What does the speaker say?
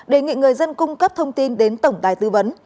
đề nghị người dân cung cấp thông tin đến tổng đài tư vấn